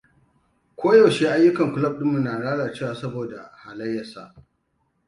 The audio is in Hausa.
Ko yaushe ayyukan kulob dinmu na lalacewa sabida halayyarsa.